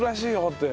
って。